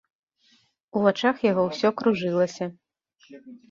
У вачах яго ўсё кружылася.